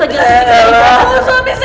apa sarapan lu ya